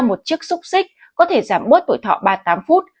một chiếc xúc xích có thể giảm bớt tuổi thọ ba mươi tám phút